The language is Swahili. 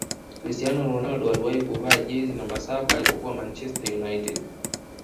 cristiano ronaldo aliwahi kuvaa jezi namba saba alipokuwa manchezter united